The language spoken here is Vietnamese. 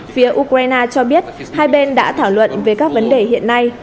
phía ukraine cho biết hai bên đã thảo luận về các vấn đề hiện nay